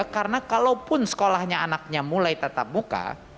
karena kalau pun sekolahnya anaknya mulai tatap muka